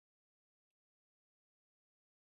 پامیر د افغانستان د تکنالوژۍ پرمختګ سره تړاو لري.